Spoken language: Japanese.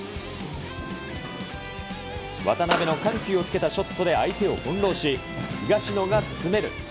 渡辺の緩急をつけたショットで相手をほんろうし、東野が詰める。